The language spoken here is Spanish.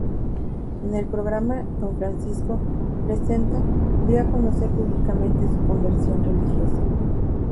En el programa "Don Francisco presenta" dio a conocer públicamente su conversión religiosa.